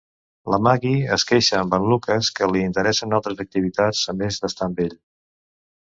La Maggie es queixa amb en Lucas que li interessen altres activitats a més d'estar amb ell.